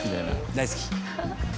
大好き。